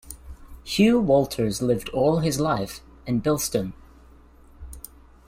Hugh Walters lived all his life in Bilston.